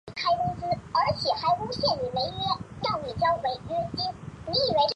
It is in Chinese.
上杉房能的养子。